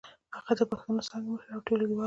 هغه د پښتو څانګې مشر او ټولګيوال و.